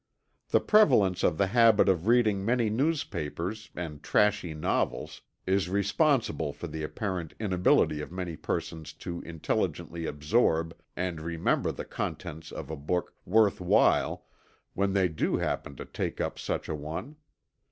The prevalence of the habit of reading many newspapers and trashy novels is responsible for the apparent inability of many persons to intelligently absorb and remember the contents of a book "worth while" when they do happen to take up such a one.